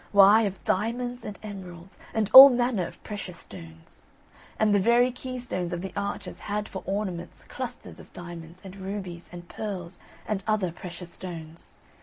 Why, of diamonds and emeralds, and all manner of precious stones. And the very key stones of the arches had for ornaments clusters of diamonds and rubies, and pearls, and other precious stones.